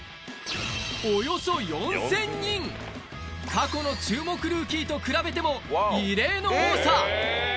過去の注目ルーキーと比べても異例の多さ